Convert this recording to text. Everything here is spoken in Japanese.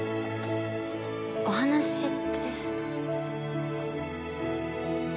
お話って？